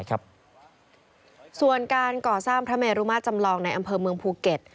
ส่วนการก่อสร้างพระเมรุมาจำลองในอำเภอเมืองภูเก็ต